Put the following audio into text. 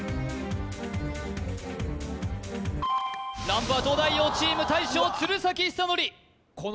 ランプは東大王チーム大将鶴崎修功